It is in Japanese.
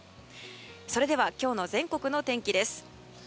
それでは今日の全国の天気です。